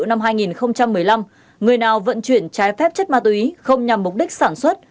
năm hai nghìn một mươi năm người nào vận chuyển trái phép chất ma túy không nhằm mục đích sản xuất